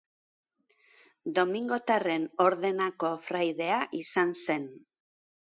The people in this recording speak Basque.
Domingotarren ordenako fraidea izan zen.